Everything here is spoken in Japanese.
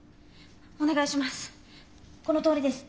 お願いします。